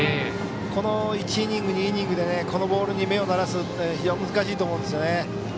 この１イニング、２イニングでこのボールに目を慣らすのは非常に難しいと思います。